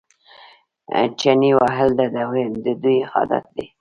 چنې وهل د دوی عادت دی.